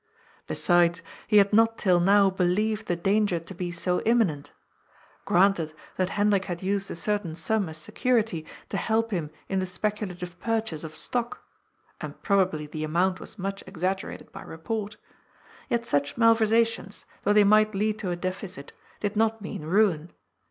Besides, he had not till now believed the danger to be so imminent Granted that Hendrik had used a certain sum as security to help him in the speculative purchase of stock (and probably the amount was much exaggerated by report), yet such malversations, though they might lead to a deficit, did not mean ruin.